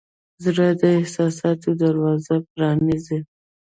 زړه د احساساتو دروازې پرانیزي.